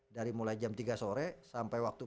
dari mulai jam tiga sore sampai waktu